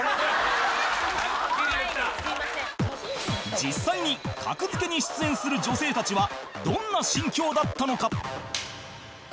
実際に「格付け」に出演する女性たちはどんな心境だったのか？